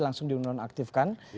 langsung di nonaktifkan